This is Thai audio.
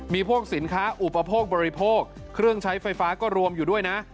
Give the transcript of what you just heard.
มีพวกสินค้าอุปโภคบริโภคเครื่องใช้ไฟฟ้าก็รวมอยู่ด้วยนะ